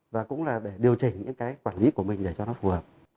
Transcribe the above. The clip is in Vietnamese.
và cũng là để điều chỉnh những cái quản lý của mình để cho nó phù hợp